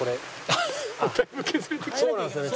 そうなんですよね。